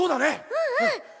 うんうん！